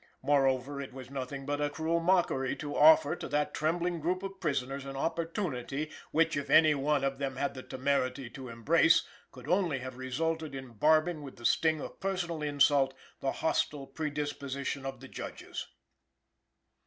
Moreover, it was nothing but a cruel mockery to offer to that trembling group of prisoners an opportunity, which, if any one of them had the temerity to embrace, could only have resulted in barbing with the sting of personal insult the hostile predisposition of the judges.